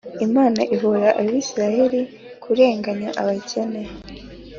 Imana ihora Abisirayeli kurenganya abakene